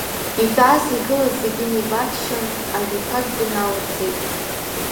Итәаз, игылаз зегьы неибарччан, ажәақәакгьы наларҵеит.